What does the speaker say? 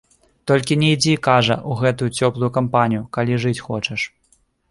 Толькі не ідзі, кажа, у гэтую цёплую кампанію, калі жыць хочаш.